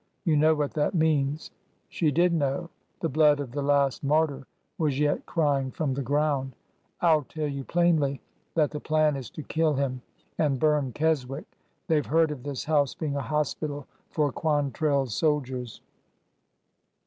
You know what that means!" She did know— the blood of the last martyr was yet crying from the ground. " I 'll tell you plainly that the plan is to kill him and bum Keswick. They 've heard of this house being a hospital for Quantrell's soldiers."